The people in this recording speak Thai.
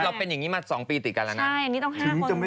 เราเป็นอย่างนี้มา๒ปีติดกันแล้วนะ